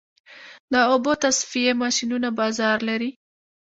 د اوبو تصفیې ماشینونه بازار لري؟